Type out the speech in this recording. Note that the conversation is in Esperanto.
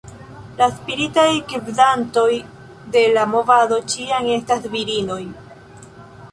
La "spiritaj gvidantoj" de la movado ĉiam estas virinoj.